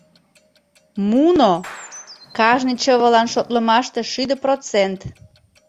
Муно кажне чывылан шотлымаште шӱдӧ процент.